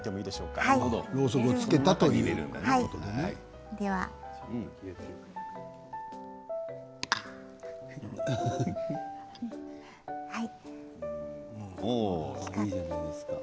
ろうそくをつけたということですね。